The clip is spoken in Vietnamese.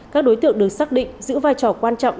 các đối tượng được xác định giữ vai trò quan trọng